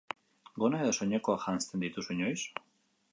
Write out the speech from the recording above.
Gona edo soinekoa janzten dituzu inoiz?